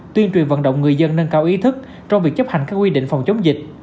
tuyên truyền vận động người dân nâng cao ý thức trong việc chấp hành các quy định phòng chống dịch